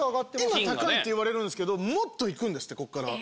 今高いって言われるんですけどもっといくんですってこっから。